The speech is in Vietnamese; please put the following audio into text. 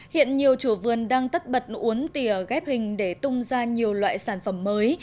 hiện nhiều chủ vườn đang tất bật uống tỉa ghép hình để tung ra nhiều loại sản phẩm mới